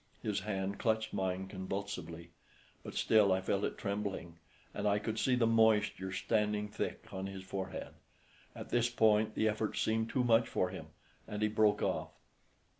His hand clutched mine convulsively, but still I felt it trembling, and I could see the moisture standing thick on his forehead. At this point the effort seemed too much for him and he broke off.